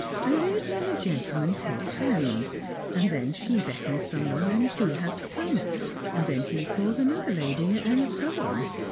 A lady and a gentleman take hands, then she beckons some one, and he has to come; and then he calls another lady, and so on.